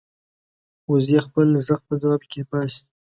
وزې خپل غږ په ځواب کې باسي